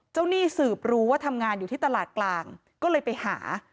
หนี้สืบรู้ว่าทำงานอยู่ที่ตลาดกลางก็เลยไปหา